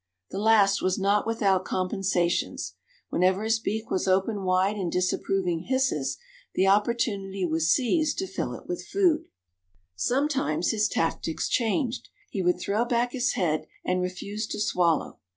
The last was not without compensations. Whenever his beak was opened wide in disapproving hisses the opportunity was seized to fill it with food. Sometimes his tactics changed; he would throw back his head and refuse to swallow.